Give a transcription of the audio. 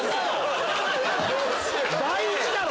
大事だろ！